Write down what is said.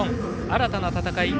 新たな戦い